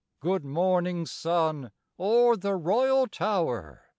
Good morning, sun, o'er the royal tower!